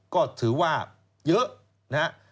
ก็ถือว่าเยอะ